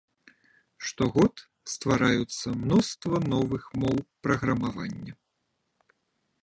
Штогод ствараюцца мноства новых моў праграмавання.